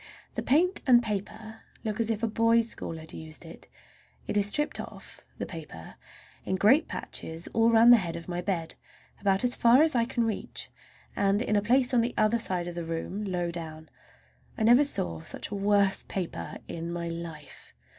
The paint and paper look as if a boys' school had used it. It is stripped off—the paper—in great patches all around the head of my bed, about as far as I can reach, and in a great place on the other side of the room low down. I never saw a worse paper in my life.